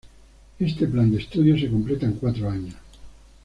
Este plan de estudios se completa en cuatro años.